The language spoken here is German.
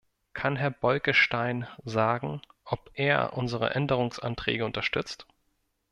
Kann Herr Bolkestein sagen, ob er unsere Änderungsanträge unterstützt?